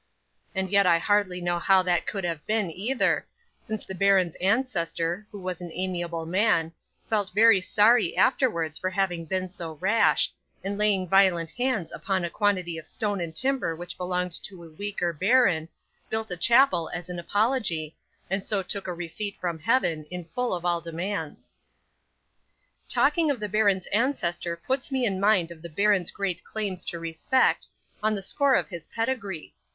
And yet I hardly know how that could have been, either, because the baron's ancestor, who was an amiable man, felt very sorry afterwards for having been so rash, and laying violent hands upon a quantity of stone and timber which belonged to a weaker baron, built a chapel as an apology, and so took a receipt from Heaven, in full of all demands. 'Talking of the baron's ancestor puts me in mind of the baron's great claims to respect, on the score of his pedigree.